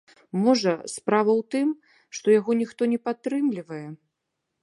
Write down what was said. Можа, справа ў тым, што яго ніхто не падтрымлівае?